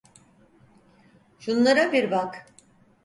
Şunlara bir bak.